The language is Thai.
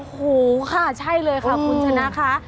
โอ้โหค่ะใช่เลยค่ะคุณชนะค่ะ